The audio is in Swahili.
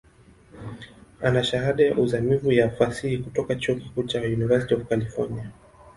Ana Shahada ya uzamivu ya Fasihi kutoka chuo kikuu cha University of California.